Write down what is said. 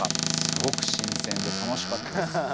すごく新鮮で楽しかったです。